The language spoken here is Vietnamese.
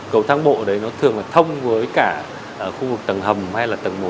cầu thang bộ đấy nó thường là thông với cả khu vực tầng hầm hay là tầng một